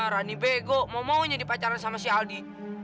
rani bego mau mau jadi pacaran sama si aldi